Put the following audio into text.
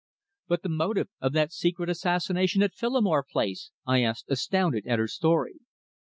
"But the motive of that secret assassination at Phillimore Place?" I asked, astounded at her story.